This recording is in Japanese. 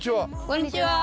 こんにちは。